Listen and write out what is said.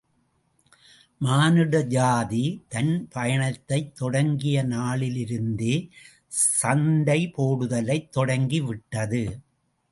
மானுட ஜாதி தன் பயணத்தைத் தொடங்கிய நாளிலிருந்தே சண்டை போடுதலைத் தொடங்கிவிட்டது.